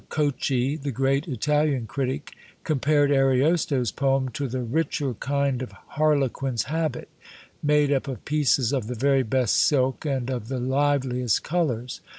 Cocchi, the great Italian critic, compared "Ariosto's poem to the richer kind of harlequin's habit, made up of pieces of the very best silk, and of the liveliest colours.